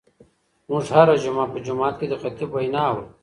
موږ هره جمعه په جومات کې د خطیب وینا اورو.